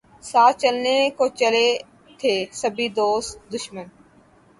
ساتھ چلنے کو چلے تھے سبھی دوست دشمن